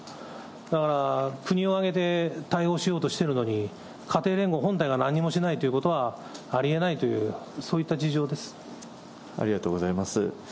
だから、国を挙げて対応しようとしてるのに、家庭連合本体が何もしないということはありえないという、ありがとうございます。